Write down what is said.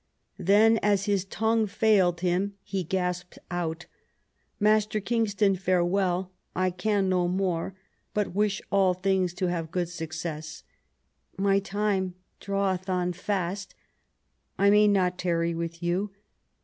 Then as his tongue failed him he gasped out, *' Master Eangston, farewell I can no more, but wish all things to have good success. My time draweth on fast I may not tarry with you.